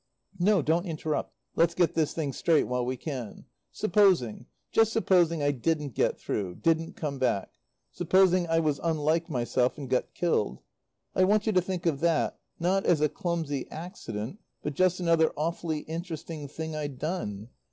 "No; don't interrupt. Let's get this thing straight while we can. Supposing just supposing I didn't get through didn't come back supposing I was unlike myself and got killed, I want you to think of that, not as a clumsy accident, but just another awfully interesting thing I'd done.